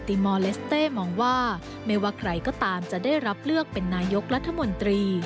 มอลเลสเต้มองว่าไม่ว่าใครก็ตามจะได้รับเลือกเป็นนายกรัฐมนตรี